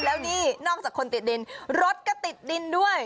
แล้วนี่นอกจากคนติดดินรถก็ติดดินด้วย